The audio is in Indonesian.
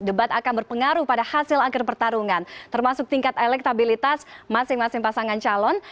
debat akan berpengaruh pada hasil akhir pertarungan termasuk tingkat elektabilitas masing masing pasangan calon